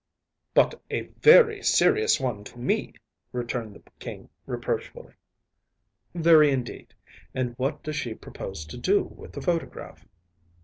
“But a very serious one to me,‚ÄĚ returned the King reproachfully. “Very, indeed. And what does she propose to do with the photograph?